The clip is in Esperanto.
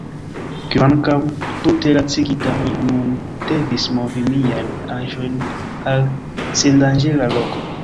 Kvankam tute lacigita, mi nun devis movi miajn aĵojn al sendanĝera loko.